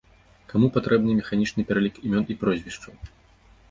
Каму патрэбны механічны пералік імён і прозвішчаў?